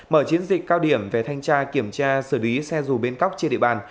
mở chiến dịch cao điểm về thanh tra kiểm tra xử lý xe dù bến cóc trên địa bàn